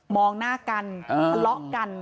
มองหน้ากันละกัน